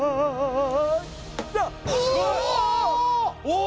お！